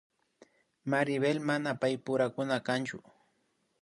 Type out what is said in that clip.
Maribel mana paypurakuna kanchu